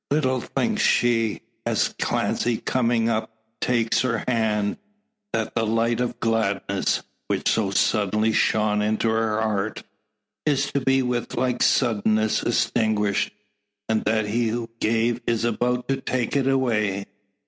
Little thinks she, as Clancy coming up takes her hand, that the light of gladness, which so suddenly shone into her heart, is to be with like suddenness extinguished; and that he who gave is about to take it away.